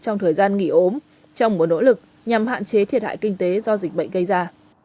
trong thời gian nghỉ ốm trong một nỗ lực nhằm hạn chế thiệt hại kinh tế do dịch bệnh gây ra